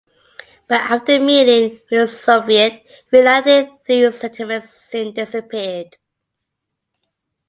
But after meeting with the Soviet reality these sentiments soon disappeared.